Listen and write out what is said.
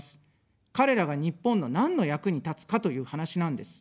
彼らが日本の何の役に立つかという話なんです。